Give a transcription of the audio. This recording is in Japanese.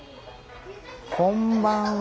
こんばんは。